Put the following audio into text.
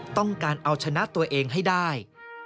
ต้องการเอาชนะตัวเองให้ได้